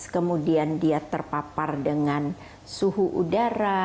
kemudian dia terpapar dengan suhu udara